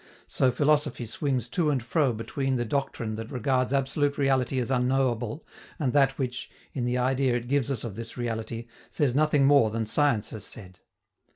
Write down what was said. So philosophy swings to and fro between the doctrine that regards absolute reality as unknowable and that which, in the idea it gives us of this reality, says nothing more than science has said.